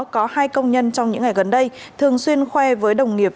có hai công nhân trong những ngày gần đây thường xuyên khoe với đồng nghiệp